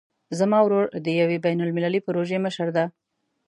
زما ورور د یوې بین المللي پروژې مشر ده